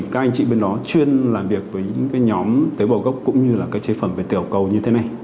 các anh chị bên đó chuyên làm việc với những cái nhóm tế bào gốc cũng như là cái chế phẩm về tiểu cầu như thế này